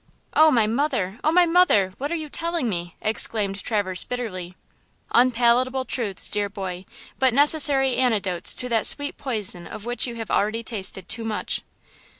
"Oh, my mother! Oh, my mother! What are you telling me!" exclaimed Traverse, bitterly. "Unpalatable truths, dear boy, but necessary antidotes to that sweet poison of which you have already tasted too much."